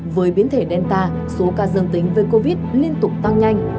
với biến thể delta số ca dương tính với covid liên tục tăng nhanh